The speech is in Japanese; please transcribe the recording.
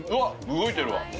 動いてるわ。